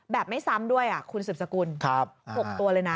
แบบไม่ซ้ำด้วยคุณศึกษกุล๖ตัวเลยนะ